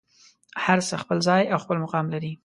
هر څه خپل ځای او خپل مقام لري.